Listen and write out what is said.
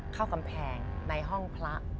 เข้ากำแพงในห้องพระ